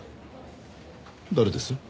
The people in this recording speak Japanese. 誰です？